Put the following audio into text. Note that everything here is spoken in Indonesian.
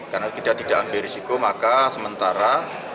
karena kita tidak ambil risiko maka sementara